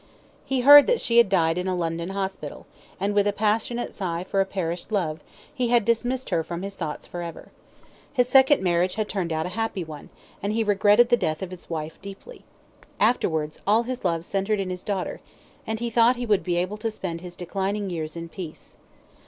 He heard that she had died in a London hospital, and with a passionate sigh for a perished love, he had dismissed her from his thoughts for ever. His second marriage had turned out a happy one, and he regretted the death of his wife deeply. Afterwards, all his love centred in his daughter, and he thought he would be able to spend his declining years in peace.